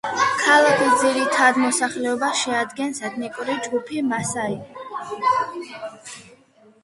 ქალაქის ძირითად მოსახლეობას შეადგენს ეთნიკური ჯგუფი მასაი.